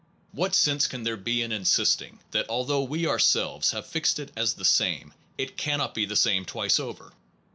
What sense can there be in insisting that although we our selves have fixed it as the same, it cannot be the same twice over?